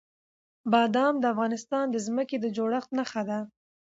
بادام د افغانستان د ځمکې د جوړښت نښه ده.